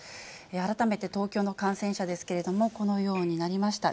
改めて東京の感染者ですけれども、このようになりました。